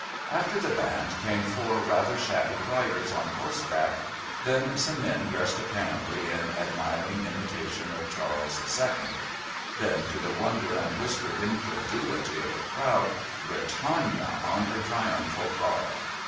After the band came four rather shabby riders on horseback, then some men dressed apparently in admiring imitation of Charles II.; then, to the wonder and whispered incredulity of the crowd, Britannia on her triumphal car.